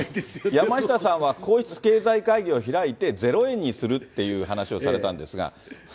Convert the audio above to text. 山下さんは皇室経済会議を開いてゼロ円にするっていう話をされたんですが。